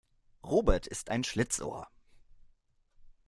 Robert ist ein Schlitzohr.